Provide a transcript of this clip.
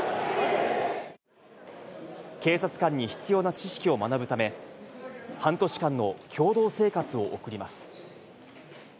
警察官に必要な知識を学ぶため、半年間の共同生活を送ります。